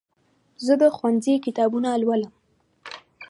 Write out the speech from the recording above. زه د ښوونځي کتابونه لولم.